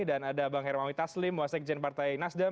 dan ada bang hermami taslim wasek jen partai nasdem